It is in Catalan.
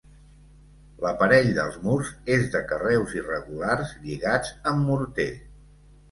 L'aparell dels murs és de carreus irregulars lligats amb morter.